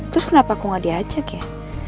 terus kenapa aku gak diajak ya